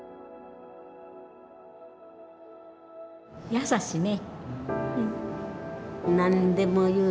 優しいね。